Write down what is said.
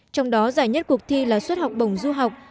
trong đó giải nhất cuộc thi là suất học bổng du học